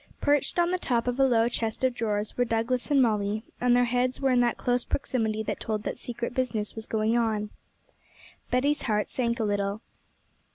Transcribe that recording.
Perched on the top of a low chest of drawers were Douglas and Molly, and their heads were in that close proximity that told that secret business was going on. Betty's heart sank a little.